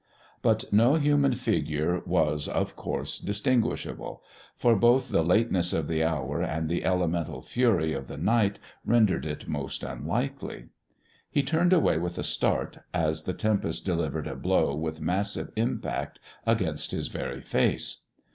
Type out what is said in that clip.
But no human figure was, of course, distinguishable, for both the lateness of the hour and the elemental fury of the night rendered it most unlikely. He turned away with a start, as the tempest delivered a blow with massive impact against his very face.